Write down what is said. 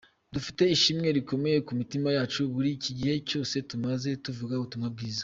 Dufite ishimwe rikomeye ku mitima yacu muri iki gihe cyose tumaze tuvuga ubutumwa bwiza.